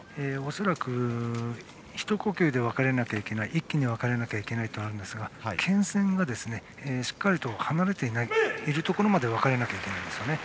恐らく一呼吸で分かれなきゃいけない一気に分かれなきゃいけないとなっていますが剣先がしっかりと離れてるところまで分かれなきゃいけないんですよね。